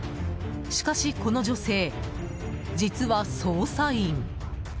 しかしこの女性、実は捜査員。